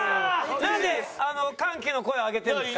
なんで歓喜の声を上げてるんですか？